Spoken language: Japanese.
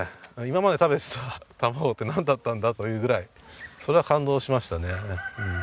「今まで食べてた卵ってなんだったんだ」というぐらいそれは感動しましたね。